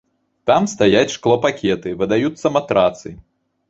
Там стаяць шклопакеты, выдаюцца матрацы.